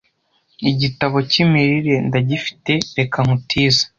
Igitabo cy'Imirire ndagifite reka nkutize